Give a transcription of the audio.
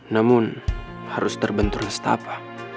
namun harus terbentur nestapa